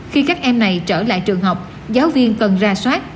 khi các em này trở lại trường học giáo viên cần ra soát